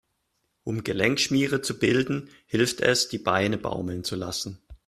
Um Gelenkschmiere zu bilden, hilft es, die Beine baumeln zu lassen.